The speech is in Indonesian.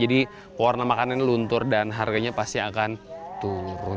jadi warna makanan ini luntur dan harganya pasti akan turun